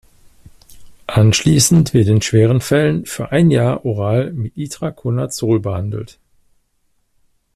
Anschließend wird in schweren Fällen für ein Jahr oral mit Itraconazol behandelt.